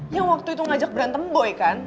yang waktu itu ngajak berantem boy kan